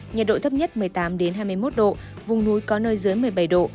nhiệt độ thấp nhất một mươi tám hai mươi một độ vùng núi có nơi dưới một mươi bảy độ